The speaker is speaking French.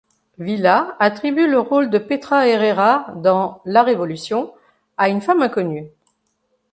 Villa attribue le rôle de Petra Herrera dans la Révolution à une femme inconnue.